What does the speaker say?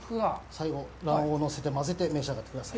最後、卵黄をのせて、混ぜて召し上がってください。